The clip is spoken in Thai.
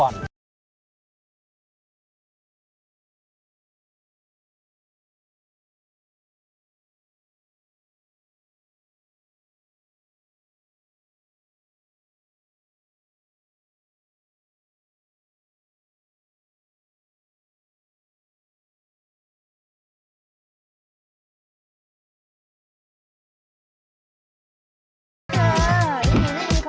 โอ้ค่ะสวัสดีค่ะ